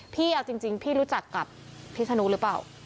พี่เอาจริงพี่รู้จักกับพิษนุหรือเปล่า